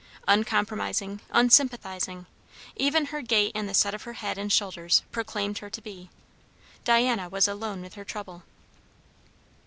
Uncompromising, unsympathizing, even her gait and the set of her head and shoulders proclaimed her to be. Diana was alone with her trouble.